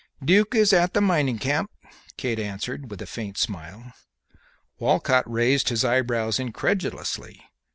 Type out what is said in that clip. "Duke is at the mining camp," Kate answered, with a faint smile. Walcott raised his eyebrows incredulously.